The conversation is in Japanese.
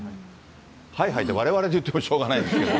はいはいって、われわれで言ってもしょうがない。